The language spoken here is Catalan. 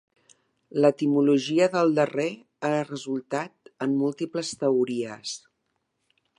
L'etimologia del darrer ha resultat en múltiples teories.